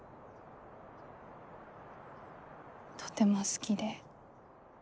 とても好きで。